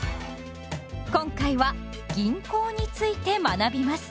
今回は「銀行」について学びます。